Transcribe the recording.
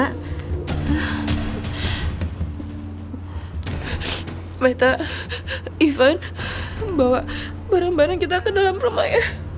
sampai tak ivan bawa barang barang kita ke dalam rumahnya